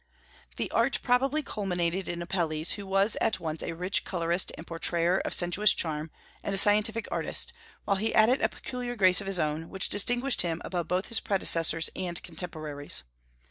The art probably culminated in Apelles, who was at once a rich colorist and portrayer of sensuous charm and a scientific artist, while he added a peculiar grace of his own, which distinguished him above both his predecessors and contemporaries.